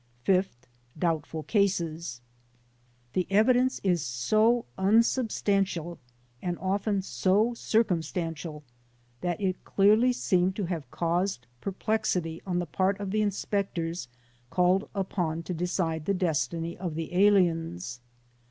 Fifth: Doubtful cases. The evidence is so unsubstantial and often so circum stantial that it clearly seemed to have caused perplexity on the part of the inspectors called upon to decide the destiny of the aliens.